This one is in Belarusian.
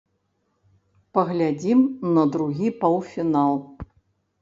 Паглядзім на другі паўфінал.